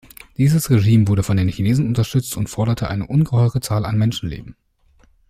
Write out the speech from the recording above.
Dieses Regime wurde von den Chinesen unterstützt und forderte eine ungeheure Zahl an Menschenleben.